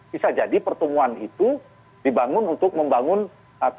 bisa jadi pertemuan itu dibangun untuk membangun komitmen bersama tentang kebangsaan